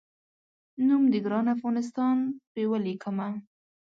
نوم د ګران افغانستان په ولیکمه